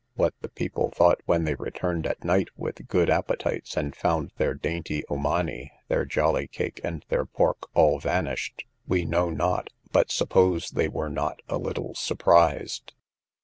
What the people thought when they returned at night with good appetites, and found their dainty omani, their jolly cake, and their pork, all vanished, we know not, but suppose they were not a little surprised.